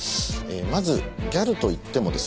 まずギャルと言ってもですね